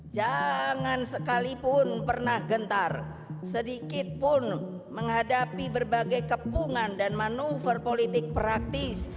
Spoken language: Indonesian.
jangan sekalipun pernah gentar sedikitpun menghadapi berbagai kepungan dan manuver politik praktis